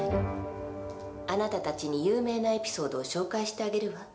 あなたたちに有名なエピソードを紹介してあげるわ。